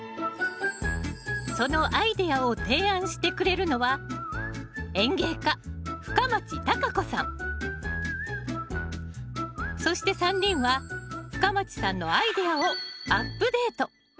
そのアイデアを提案してくれるのはそして３人は深町さんのアイデアをアップデート。